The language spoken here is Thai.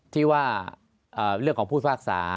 ที่ว่าเรื่องของผู้ภาคศา